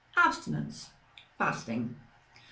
Abstinence (fasting). 13.